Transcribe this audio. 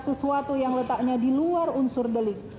sesuatu yang letaknya di luar unsur delik